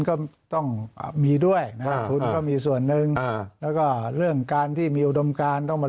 ก็ต้องมีด้วยมีส่วนนึงแล้วก็เรื่องการที่มีอุดมการต้องมา